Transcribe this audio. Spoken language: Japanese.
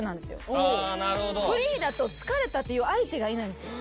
フリーだと疲れたって言う相手がいないんですよ